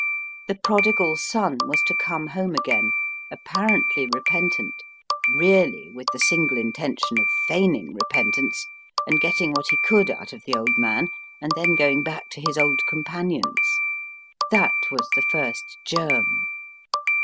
The prodigal son was to come home again apparently repentant really with the single intention of feigning repentance and getting what he could out of the old man and then going back to his old companions. That was the first germ.